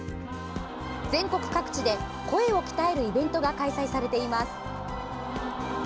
全国各地で声を鍛えるイベントが開催されています。